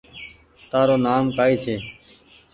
تآرو نآم ڪائي ڇي